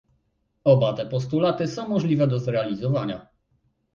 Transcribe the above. Oba te postulaty są możliwe do zrealizowania